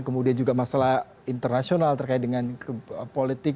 kemudian juga masalah internasional terkait dengan politik